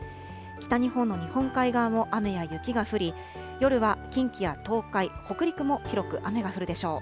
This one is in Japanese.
北日本の日本海側も雨や雪が降り、夜は近畿や東海、北陸も広く雨が降るでしょう。